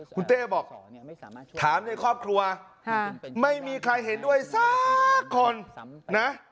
คุณเต้บอกถามในครอบครัวไม่มีใครเห็นด้วยสักคนนะ